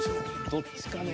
どっちかねぇ。